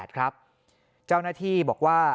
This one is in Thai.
เจ้าหน้าที่บอกว่า